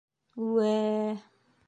— Ү-үе-е...